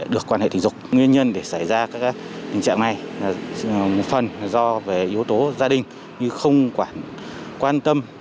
được quan hệ tình dục nguyên nhân để xảy ra các tình trạng này là một phần là do về yếu tố gia đình như không quản quan tâm